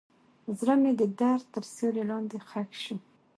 زړه مې د درد تر سیوري لاندې ښخ شو.